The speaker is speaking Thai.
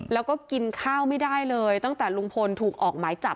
แล้วก็กินข้าวไม่ได้เลยตั้งแต่ลุงพลถูกออกหมายจับ